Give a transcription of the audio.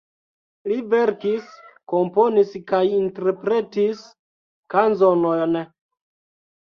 Li verkis, komponis kaj interpretis kanzonojn.